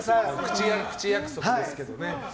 口約束ですけどね。